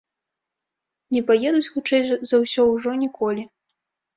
Не паедуць, хутчэй за ўсё, ужо ніколі.